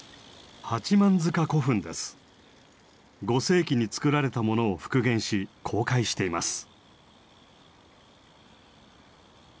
５世紀に作られたものを復元し公開しています。